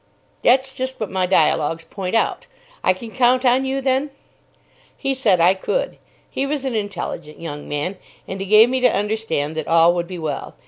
"That's just what my dialogues point out. I can count on you, then?" He said I could. He was an intelligent young man, and he gave me to understand that all would be well.